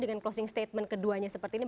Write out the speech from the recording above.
dengan closing statement keduanya seperti ini